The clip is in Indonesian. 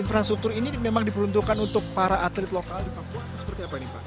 infrastruktur ini memang diperuntukkan untuk para atlet lokal di papua atau seperti apa nih pak